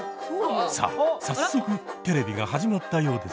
・さあ早速テレビが始まったようですよ。